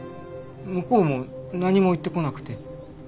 向こうも何も言ってこなくて。